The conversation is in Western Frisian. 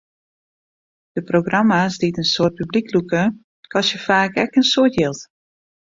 De programma's dy't in soad publyk lûke, kostje faak ek in soad jild.